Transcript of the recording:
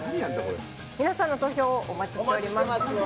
皆さんの投票をお待ちしてます。